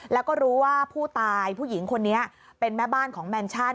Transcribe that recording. แล้วก็รู้ว่าผู้ตายผู้หญิงคนนี้เป็นแม่บ้านของแมนชั่น